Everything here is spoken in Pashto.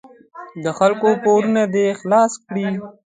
د خلکو پورونه دې خلاص کړي.